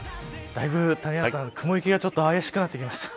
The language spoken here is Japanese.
だいぶ谷原さん雲行きが怪しくなってきました。